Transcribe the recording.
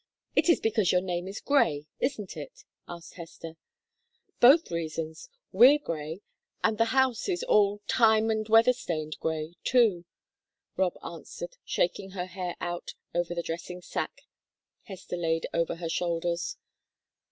It is because your name is Grey, isn't it?" asked Hester. "Both reasons we're Grey, and the house is all time and weather stained grey, too," Rob answered, shaking her hair out over the dressing sacque Hester laid over her shoulders.